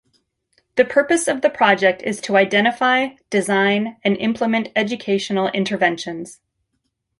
The purpose of the project is to identify, design and implement educational interventions.